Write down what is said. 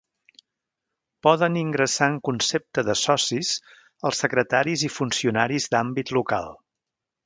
Poden ingressar en concepte de socis els secretaris i funcionaris d’àmbit local.